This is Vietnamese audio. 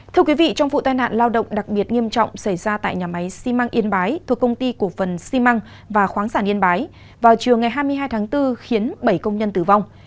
thưa quý vị trong vụ tai nạn lao động đặc biệt nghiêm trọng xảy ra tại nhà máy xi măng yên bái thuộc công ty cổ phần xi măng và khoáng sản yên bái vào chiều ngày hai mươi hai tháng bốn khiến bảy công nhân tử vong